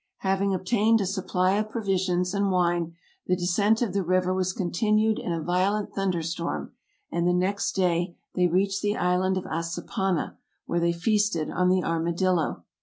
Having obtained a supply of provisions and wine the descent of the river was con tinued in a violent thunderstorm, and the next day they reached the island of Assapana, where they feasted on the armadillo.